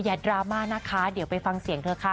ดราม่านะคะเดี๋ยวไปฟังเสียงเธอค่ะ